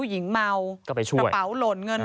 ของมันตกอยู่ด้านนอก